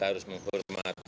agar pejabat pejabat pemerintah